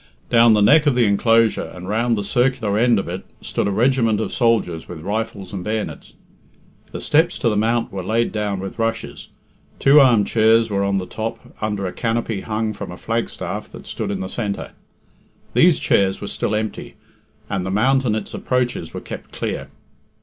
Down the neck of the enclosure, and round the circular end of it, stood a regiment of soldiers with rifles and bayonets. The steps to the mount were laid down with rushes. Two armchairs were on the top, under a canopy hung from a flagstaff that stood in the centre. These chairs were still empty, and the mount and its approaches were kept clear.